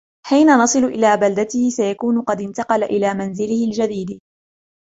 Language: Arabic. حين نصل إلى بلدته ، سيكون قد انتقل إلى منزله الجديد.